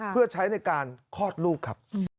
เพื่อใช้ในการคลอดลูกครับ